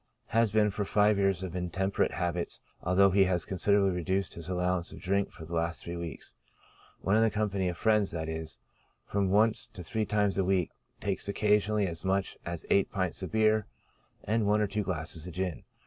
Has been for five years of intemperate habits, although he has considerably reduced his allowance of drink for the last three weeks. When in company of friends, that is, from once to three times a week, takes occasionally as much as eight pints of beer, and one or two glasses of gin.